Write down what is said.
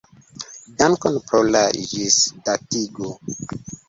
Dankon pro la ĝisdatigo.